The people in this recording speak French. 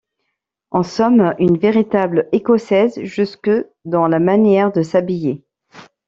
En somme, une véritable écossaise, jusque dans la manière de s'habiller.